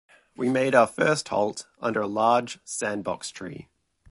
We made our first halt, under a large sandbox-tree.